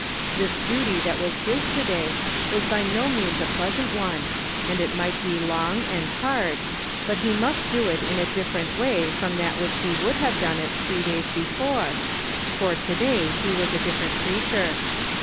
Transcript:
This duty that was his to day was by no means a pleasant one, and it might be long and hard, but he must do it in a different way from that which he would have done it three days before, for to day he was a different creature.